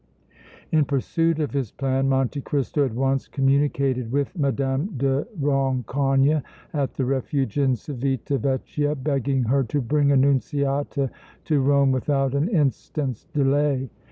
In pursuit of his plan Monte Cristo at once communicated with Mme. de Rancogne at the Refuge in Civita Vecchia, begging her to bring Annunziata to Rome without an instant's delay.